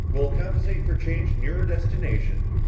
Will compensate for change nearer destination!"